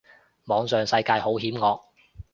網上世界好險惡